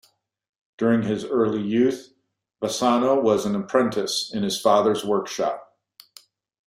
During his early youth Bassano was an apprentice in his father's workshop.